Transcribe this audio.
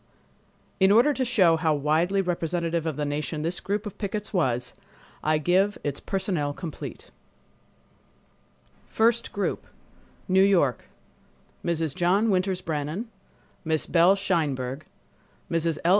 In order to show how widely representative of the nation this group of pickets was, I give its personnel complete: First Group New York—Mrs. John Winters Brannan, Miss Belle Sheinberg, Mrs. L.